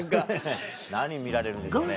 何見られるんでしょうね。